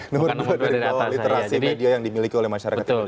nomor dua dari bawah literasi media yang dimiliki oleh masyarakat indonesia